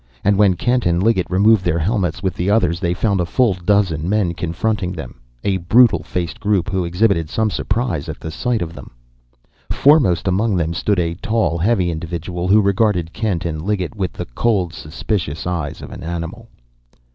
And when Kent and Liggett removed their helmets with the others they found a full dozen men confronting them, a brutal faced group who exhibited some surprise at sight of them. Foremost among them stood a tall, heavy individual who regarded Kent and Liggett with the cold, suspicious eyes of an animal.